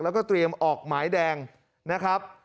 แล้วก็เตรียมออกหมายแดงนะครับ